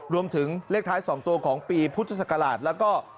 รวมถึงเลขท้าย๒ตัวของปีพุทธศักราชแล้วก็